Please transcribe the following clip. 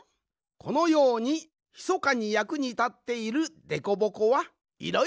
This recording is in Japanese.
このようにひそかにやくにたっているでこぼこはいろいろあるんじゃ。